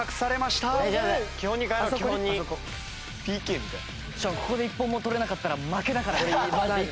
しかもここで１本も取れなかったら負けだからね。